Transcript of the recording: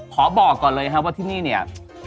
บอกก่อนเลยครับว่าที่นี่เนี่ย